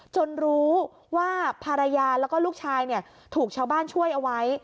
รู้ว่าภรรยาแล้วก็ลูกชายถูกชาวบ้านช่วยเอาไว้